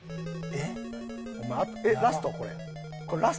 えっ？